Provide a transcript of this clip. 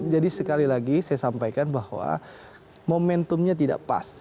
jadi sekali lagi saya sampaikan bahwa momentumnya tidak pas